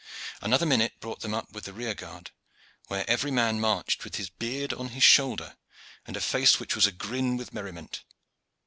Another minute brought them up with the rear guard, where every man marched with his beard on his shoulder and a face which was agrin with merriment.